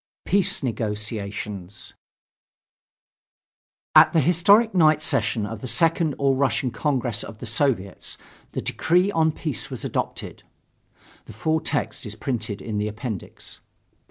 PEACE NEGOTIATIONS At the historic night session of the Second All Russian Congress of the Soviets the decree on peace was adopted. (The full text is printed in the Appendix.)